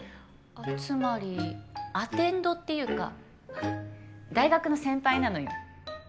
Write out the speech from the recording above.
つまりアテンドっていうか大学の先輩なのよ。